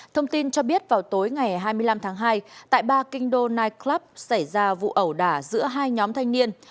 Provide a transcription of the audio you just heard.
thông tin cho biết vào tối ngày hai mươi năm tháng hai tại ba kinh đô nightclub xảy ra vụ ẩu đả giữa hai nhóm thanh niên